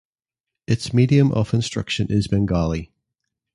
Its medium of instruction is Bengali.